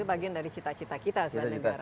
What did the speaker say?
dan itu bagian dari cita cita kita sebagai negara